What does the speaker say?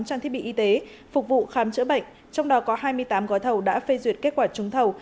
trang thiết bị y tế phục vụ khám chữa bệnh trong đó có hai mươi tám gói thầu đã phê duyệt kết quả trúng thầu